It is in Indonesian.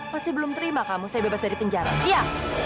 pasti belum terima kamu saya bebas dari penjara ya